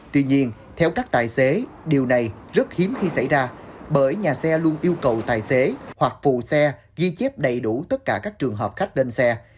tuy nhiên theo các tài xế điều này rất hiếm khi xảy ra bởi nhà xe luôn yêu cầu tài xế hoặc phù xe ghi chép đầy đủ tất cả các trường hợp khách lên xe